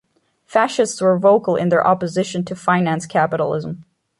Fascists were vocal in their opposition to finance capitalism.